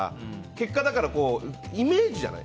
結果、イメージじゃない？